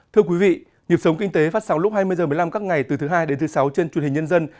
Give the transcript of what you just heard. thưa quý vị nhịp sống kinh tế phát sóng lúc hai mươi h một mươi năm các ngày từ thứ hai đến thứ sáu trên truyền hình nhân dân